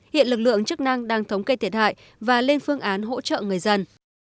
hiện lực lượng chức năng đang thống kê thiệt hại và lên phương án hỗ trợ người dân